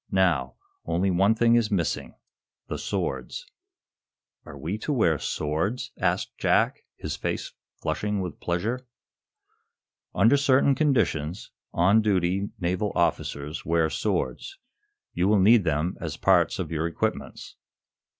Now, only one thing is missing the swords." "Are we to wear swords?" asked Jack, his face flushing with pleasure. "Under certain conditions, on duty, naval officers wear swords. You will need them as parts of your equipments."